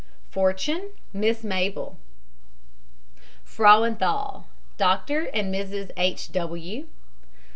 FORTUNE, MISS MABEL. FRAUENTHAL, DR. AND MRS. H. W.